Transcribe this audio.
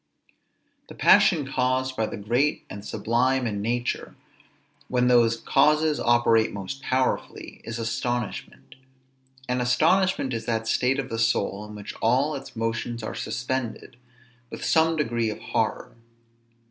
The passion caused by the great and sublime in nature, when those causes operate most powerfully, is astonishment: and astonishment is that state of the soul in which all its motions are suspended, with some degree of horror.